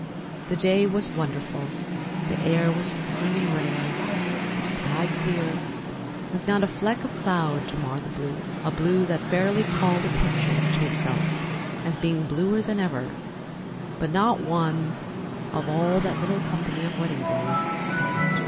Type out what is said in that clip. The day was wonderful. The air was fine and rare, the sky clear, with not a fleck of cloud to mar the blue—a blue that fairly called attention to itself as being bluer than ever before. But not one of all that little company of wedding goers saw it.